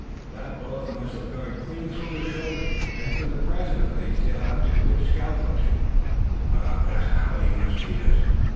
That bullet must have gone clean through his shoulder, and for the present at least he'll have to quit scalp hunting. But how he must hate us!"